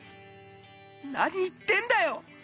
何言ってんだよ！